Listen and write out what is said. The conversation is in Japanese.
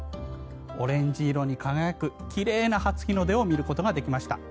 オレンジ色に輝く奇麗な初日の出を見ることができました。